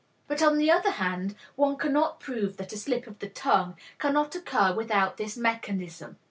But on the other hand, one cannot prove that a slip of the tongue cannot occur without this mechanism.